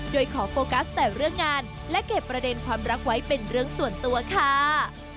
โดยขอโฟกัสแต่เรื่องงานและเก็บประเด็นความรักไว้เป็นเรื่องส่วนตัวค่ะ